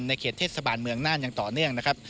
ในเขตธิสบานเมืองน่านยังต่อเนื่องนะครับ